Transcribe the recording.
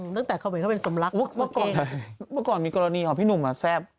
ตั้งแต่เขาเหมือนเขาเป็นสมรักเมื่อก่อนมีกรณีของพี่หนุ่มแซ่บ